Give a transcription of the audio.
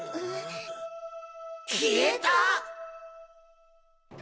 消えた！？